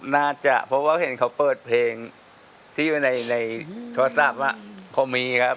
น่าจะเพราะว่าเห็นเขาเปิดเพลงที่ไว้ในโทรศัพท์ว่าเขามีครับ